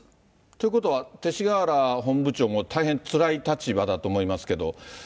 ということは、勅使河原本部長も大変つらい立場だと思いますけれども。